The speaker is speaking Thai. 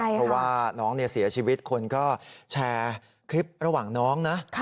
เพราะว่าน้องเสียชีวิตคนก็แชร์คลิประหว่างน้องนะ